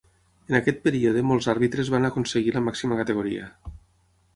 En aquest període molts àrbitres van aconseguir la màxima categoria.